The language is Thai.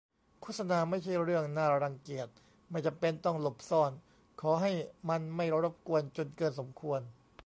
โฆษณาไม่ใช่เรื่องน่ารังเกียจ ไม่จำเป็นต้องหลบซ่อน ขอให้มันไม่รบกวนจนเกินสมควร